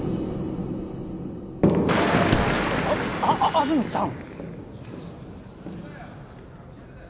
安積さん